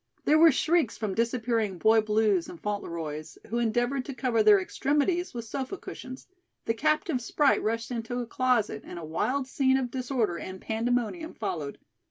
There were shrieks from disappearing Boy Blues and Fauntleroys, who endeavored to cover their extremities with sofa cushions, the captive sprite rushed into a closet and a wild scene of disorder and pandemonium followed.